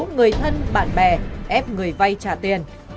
người thân bạn bè ép người vay trả tiền